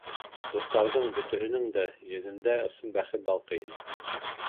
Дуҫтарҙың бөтәһенең дә йөҙөндә ысын бәхет балҡый ине.